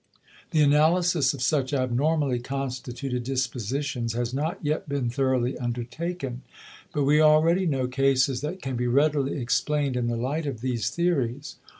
The analysis of such abnormally constituted dispositions has not yet been thoroughly undertaken, but we already know cases that can be readily explained in the light of these theories.